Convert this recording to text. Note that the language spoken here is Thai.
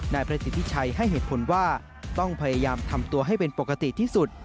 นายประสิทธิชัยให้เหตุผลว่าต้องพยายามทำตัวให้เป็นปกติที่สุด